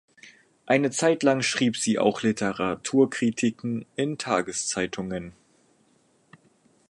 Eine Zeit lang schrieb sie auch Literaturkritiken in Tageszeitungen.